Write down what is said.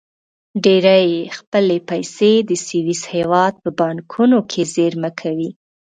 ډېری یې خپلې پیسې د سویس هېواد په بانکونو کې زېرمه کوي.